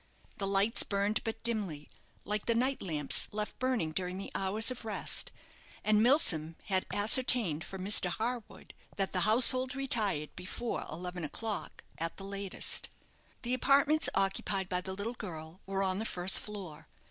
The lights burned but dimly, like the night lamps left burning during the hours of rest; and Milsom had ascertained from Mr. Harwood that the household retired before eleven o'clock, at the latest. The apartments occupied by the little girl were on the first floor.